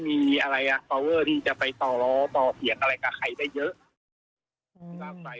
เพียงอะไรกับใครได้เยอะ